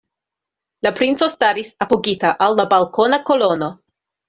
La princo staris apogita al la balkona kolono.